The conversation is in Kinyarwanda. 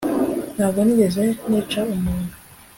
Ntabwo nigeze nica umuntu